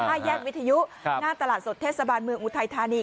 แยกวิทยุหน้าตลาดสดเทศบาลเมืองอุทัยธานี